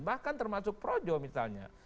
bahkan termasuk projo misalnya